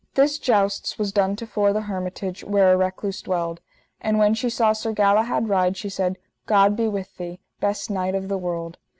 This jousts was done to fore the hermitage where a recluse dwelled. And when she saw Sir Galahad ride, she said: God be with thee, best knight of the world.